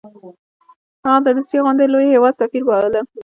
هغه د روسیې غوندې لوی هیواد سفیر باله.